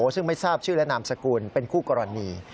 ซึ่งไม่ทราบชื่อและนามสกุลเป็นคู่กรณี